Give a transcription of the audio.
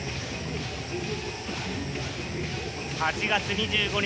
８月２５日